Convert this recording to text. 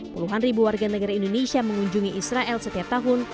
puluhan ribu warga negara indonesia mengunjungi israel setiap tahun